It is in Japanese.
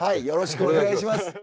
よろしくお願いします。